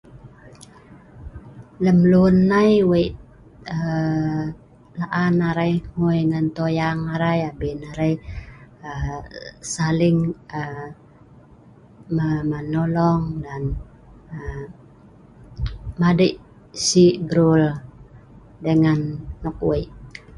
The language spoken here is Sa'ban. Lem lun nai wei laan arai hngui ngan tuyang arai, abin arai saling menolong ngan madei si brul dengan(ngan )nok wei